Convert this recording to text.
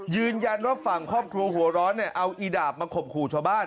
ยืนยันว่าฝั่งครอบครัวหัวร้อนเนี่ยเอาอีดาบมาข่มขู่ชาวบ้าน